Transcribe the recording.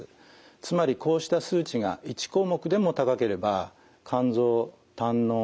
つまりこうした数値が１項目でも高ければ肝臓胆のう